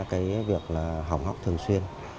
cái việc là hỏng học thường xuyên